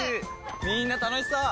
みんな楽しそう！